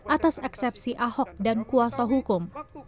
atas eksepsi ahok dan kuasa hukum